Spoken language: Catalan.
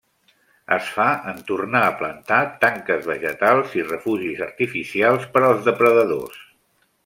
Es fa en tornar a plantar tanques vegetals i refugis artificials per als depredadors.